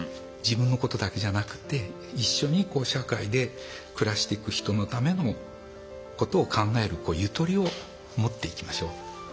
自分のことだけじゃなくて一緒に社会で暮らしていく人のためのことを考えるゆとりを持っていきましょう。